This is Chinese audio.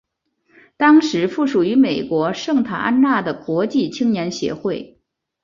当时附属于美国圣塔安娜的国际青年协会。